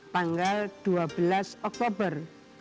tanggal dua belas oktober dua ribu sembilan belas